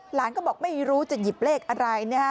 หลานก็บอกไม่รู้จะหยิบเลขอะไรนะฮะ